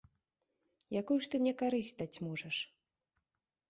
Якую ж ты мне карысць даць можаш?